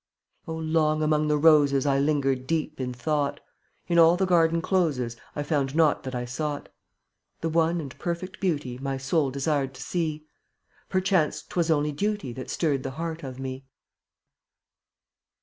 36 Oh, long among the roses I lingered deep in thought; In all the garden closes I found not that I sought — The one and perfect Beauty My soul desired to see; Perchance, 'twas only Duty That stirred the heart of me.